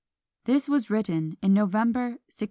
This was written in November, 1626.